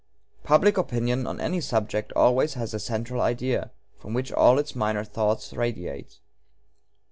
Public opinion on any subject always has a 'central idea,' from which all its minor thoughts radiate.